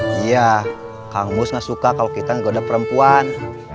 iya kang mus nggak suka kalau kita menggoda perempuan